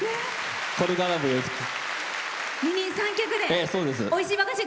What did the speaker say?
これからもよろしく。